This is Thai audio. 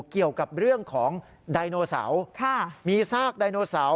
เกี่ยวกับเรื่องของไดโนเสาร์มีซากไดโนเสาร์